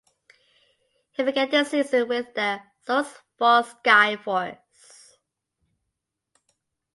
He began the season with the Sioux Falls Skyforce.